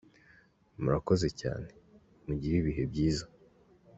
Murakoze cyane, mugire ibihe byiza.